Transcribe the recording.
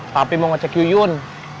tapi mau ngecek yuyun